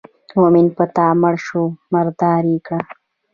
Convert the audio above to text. مومن پر تا مړ شو مردار یې کړ.